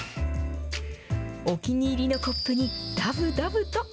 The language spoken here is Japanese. お気に入りのコップにだぶだぶと。